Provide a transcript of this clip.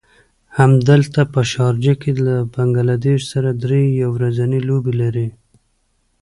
همدلته په شارجه کې له بنګله دېش سره دری يو ورځنۍ لوبې لري.